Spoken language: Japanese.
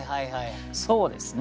そうですね